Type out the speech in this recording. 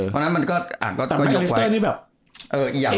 เพราะฉะนั้นมันก็แยกไว้